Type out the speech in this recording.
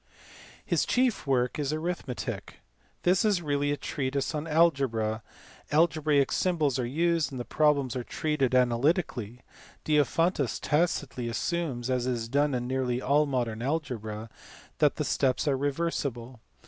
His chief work is his Arithmetic. This is really a treatise on algebra ; algebraic symbols are used, and the problems are treated analytically. Diophantus tacitly assumes, as is done in nearly all modern algebra, that the steps are reversible.